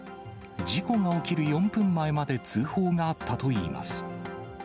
事故が起きる４分前まで通報があったといいます。